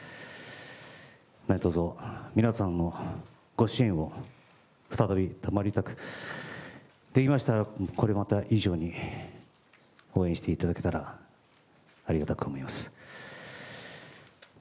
何とぞ皆さんのご支援を再び賜りたく、できましたら、これまで以上に応援していただけたらありがたく思います。